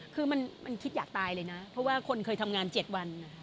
คือมันคิดอยากตายเลยนะเพราะว่าคนเคยทำงาน๗วัน